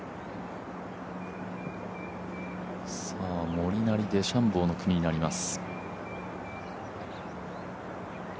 モリナリ、デシャンボーの組になります。